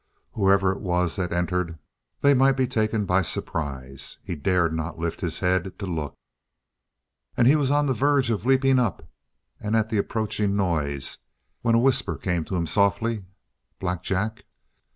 Whoever it was that entered, they might be taken by surprise. He dared not lift his head to look; and he was on the verge of leaping up and at the approaching noise, when a whisper came to him softly: "Black Jack!"